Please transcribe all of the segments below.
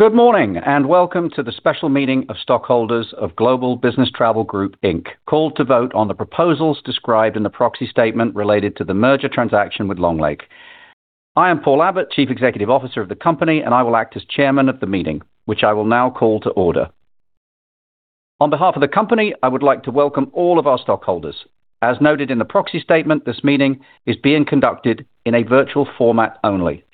Good morning, and welcome to the special meeting of stockholders of Global Business Travel Group, Inc., called to vote on the proposals described in the proxy statement related to the merger transaction with Long Lake. I am Paul Abbott, Chief Executive Officer of the company, and I will act as Chairman of the meeting, which I will now call to order. On behalf of the company, I would like to welcome all of our stockholders. As noted in the proxy statement, this meeting is being conducted in a virtual format only.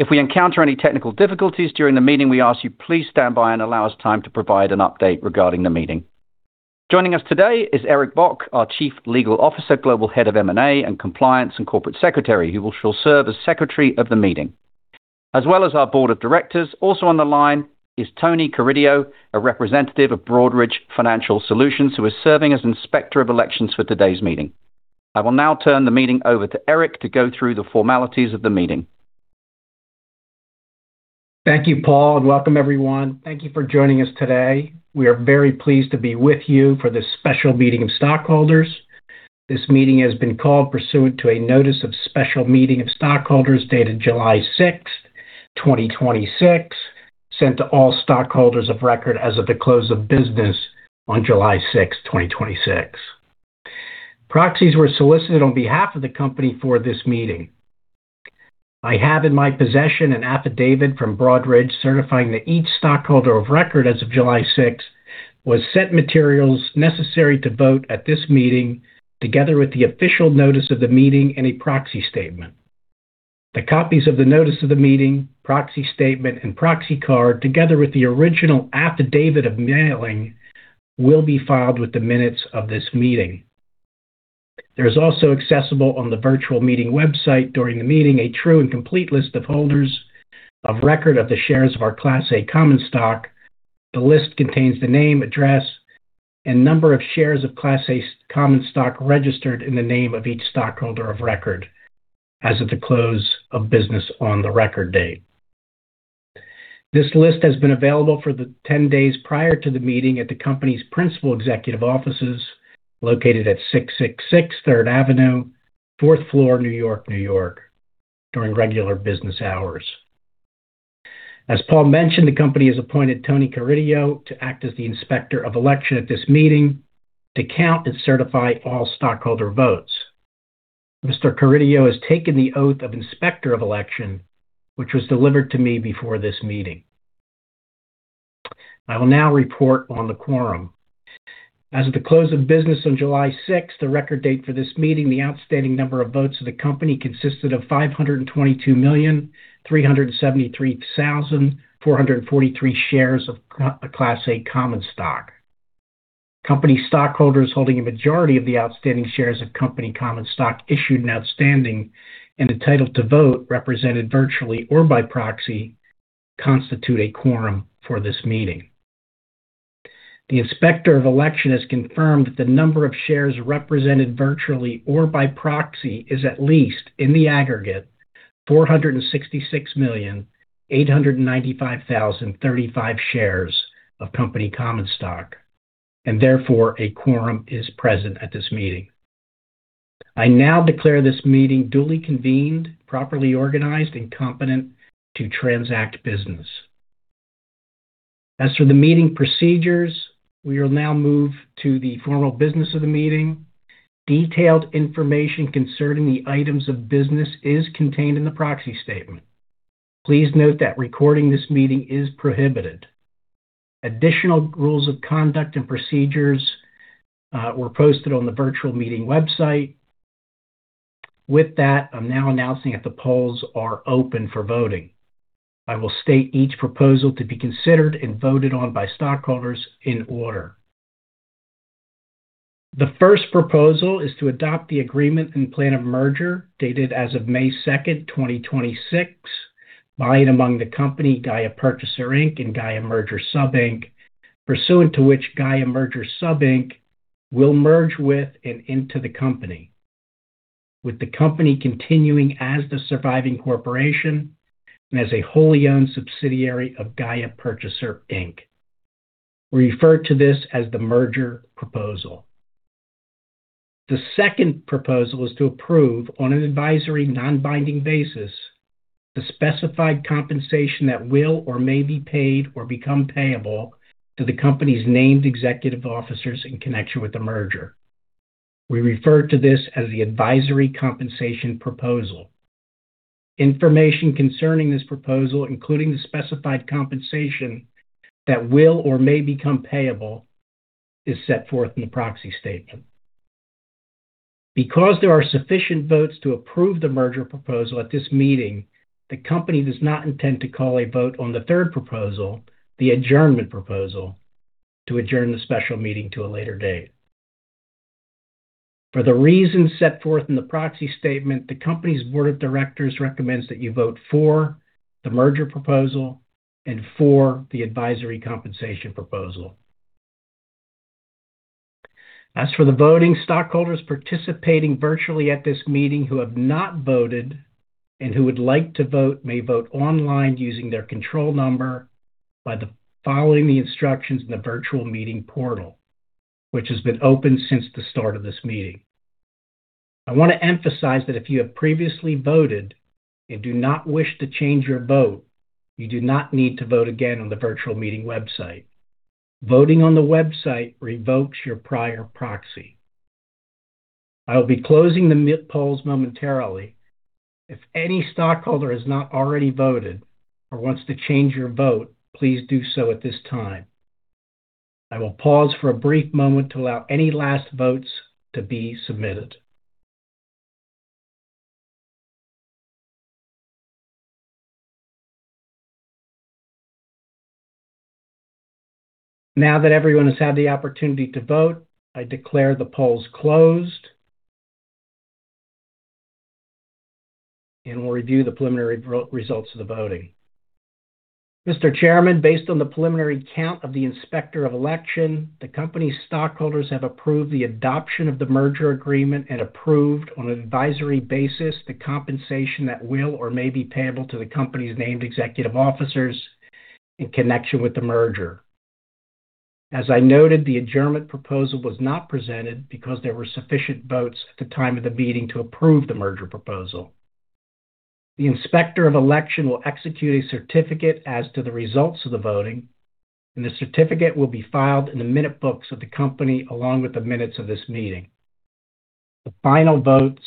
If we encounter any technical difficulties during the meeting, we ask you please stand by and allow us time to provide an update regarding the meeting. Joining us today is Eric Bock, our Chief Legal Officer, Global Head of M&A and Compliance and Corporate Secretary, who shall serve as Secretary of the meeting, as well as our Board of Directors. Also on the line is Tony Carideo, a representative of Broadridge Financial Solutions, who is serving as Inspector of Elections for today's meeting. I will now turn the meeting over to Eric to go through the formalities of the meeting. Thank you, Paul, welcome, everyone. Thank you for joining us today. We are very pleased to be with you for this special meeting of stockholders. This meeting has been called pursuant to a notice of special meeting of stockholders dated July 6th, 2026, sent to all stockholders of record as of the close of business on July 6th, 2026. Proxies were solicited on behalf of the company for this meeting. I have in my possession an affidavit from Broadridge certifying that each stockholder of record as of July 6th was sent materials necessary to vote at this meeting, together with the official notice of the meeting and a proxy statement. The copies of the notice of the meeting, proxy statement, and proxy card, together with the original affidavit of mailing, will be filed with the minutes of this meeting. There is also accessible on the virtual meeting website during the meeting a true and complete list of holders of record of the shares of our Class A common stock. The list contains the name, address, and number of shares of Class A common stock registered in the name of each stockholder of record as of the close of business on the record date. This list has been available for the 10 days prior to the meeting at the company's principal executive offices, located at 666 Third Avenue, fourth floor, New York, New York, during regular business hours. As Paul mentioned, the company has appointed Tony Carideo to act as the Inspector of Election at this meeting to count and certify all stockholder votes. Mr. Carideo has taken the oath of Inspector of Election, which was delivered to me before this meeting. I will now report on the quorum. As of the close of business on July 6th, the record date for this meeting, the outstanding number of votes of the company consisted of 522,373,443 shares of Class A common stock. Company stockholders holding a majority of the outstanding shares of company common stock issued and outstanding, and entitled to vote, represented virtually or by proxy, constitute a quorum for this meeting. The inspector of election has confirmed that the number of shares represented virtually or by proxy is at least, in the aggregate, 466,895,035 shares of company common stock, and therefore, a quorum is present at this meeting. I now declare this meeting duly convened, properly organized, and competent to transact business. As for the meeting procedures, we will now move to the formal business of the meeting. Detailed information concerning the items of business is contained in the proxy statement. Please note that recording this meeting is prohibited. Additional rules of conduct and procedures were posted on the virtual meeting website. With that, I'm now announcing that the polls are open for voting. I will state each proposal to be considered and voted on by stockholders in order. The first proposal is to adopt the agreement and plan of merger dated as of May 2nd, 2026, by and among the company, Gaia Purchaser Inc., and Gaia Merger Sub Inc., pursuant to which Gaia Merger Sub Inc. will merge with and into the company, with the company continuing as the surviving corporation and as a wholly owned subsidiary of Gaia Purchaser Inc. We refer to this as the merger proposal. The second proposal is to approve, on an advisory non-binding basis, the specified compensation that will or may be paid or become payable to the company's named executive officers in connection with the merger. We refer to this as the advisory compensation proposal. Information concerning this proposal, including the specified compensation that will or may become payable, is set forth in the proxy statement. Because there are sufficient votes to approve the merger proposal at this meeting, the company does not intend to call a vote on the third proposal, the adjournment proposal, to adjourn the special meeting to a later date. For the reasons set forth in the proxy statement, the company's board of directors recommends that you vote for the merger proposal and for the advisory compensation proposal. As for the voting stockholders participating virtually at this meeting who have not voted and who would like to vote may vote online using their control number by following the instructions in the virtual meeting portal, which has been open since the start of this meeting. I want to emphasize that if you have previously voted and do not wish to change your vote, you do not need to vote again on the virtual meeting website. Voting on the website revokes your prior proxy. I will be closing the polls momentarily. If any stockholder has not already voted or wants to change your vote, please do so at this time. I will pause for a brief moment to allow any last votes to be submitted. Now that everyone has had the opportunity to vote, I declare the polls closed and will review the preliminary results of the voting. Mr. Chairman, based on the preliminary count of the inspector of election, the company's stockholders have approved the adoption of the merger agreement and approved, on an advisory basis, the compensation that will or may be payable to the company's named executive officers in connection with the merger. As I noted, the adjournment proposal was not presented because there were sufficient votes at the time of the meeting to approve the merger proposal. The inspector of election will execute a certificate as to the results of the voting, and the certificate will be filed in the minute books of the company, along with the minutes of this meeting. The final votes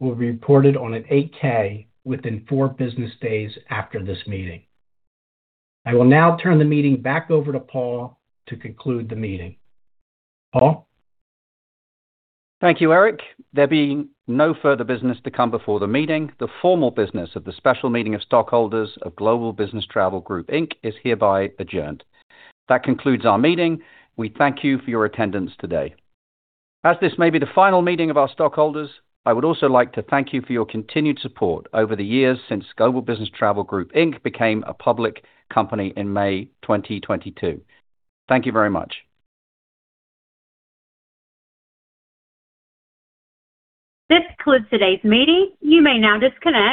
will be reported on an 8-K within four business days after this meeting. I will now turn the meeting back over to Paul to conclude the meeting. Paul? Thank you, Eric. There being no further business to come before the meeting, the formal business of the special meeting of stockholders of Global Business Travel Group, Inc. is hereby adjourned. That concludes our meeting. We thank you for your attendance today. As this may be the final meeting of our stockholders, I would also like to thank you for your continued support over the years since Global Business Travel Group, Inc. became a public company in May 2022. Thank you very much. This concludes today's meeting. You may now disconnect.